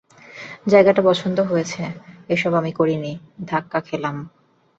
জায়গাটা পছন্দ হয়েছে - এসব আমি করিনি ধাক্কা খেলাম একটা!